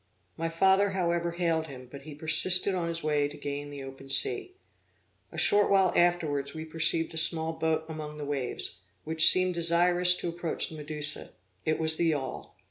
My father however hailed him, but he persisted on his way to gain the open sea. A short while afterwards we perceived a small boat among the waves, which seemed desirous to approach the Medusa; it was the yawl.